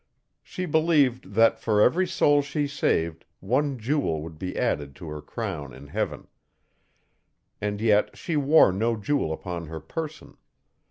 She believed that, for every soul she saved, one jewel would be added to her crown in Heaven. And yet she wore no jewel upon her person.